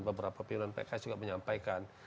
beberapa pilihan pks juga menyampaikan